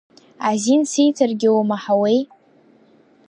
Азин сиҭаргьы умаҳауеи.